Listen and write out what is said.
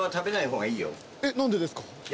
えっ何でですか？